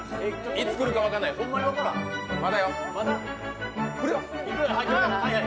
いつくるか分からない、まだよ。